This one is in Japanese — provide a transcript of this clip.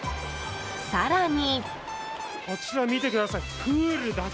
更に。